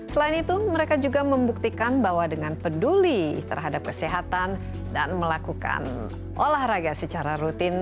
selain itu mereka juga membuktikan bahwa dengan peduli terhadap kesehatan dan melakukan olahraga secara rutin